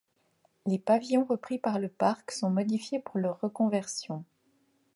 Les pavillons repris par le parc sont modifiés pour leur reconversion.